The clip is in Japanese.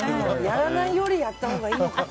やらないよりやったほうがいいのかな。